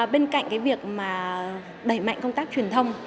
bên cạnh cái việc mà đẩy mạnh công tác truyền thông